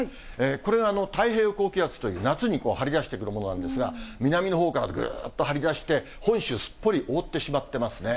これが太平洋高気圧という、夏に張り出してくるものなんですが、南のほうからぐーっと張り出して、本州すっぽり覆ってしまってますね。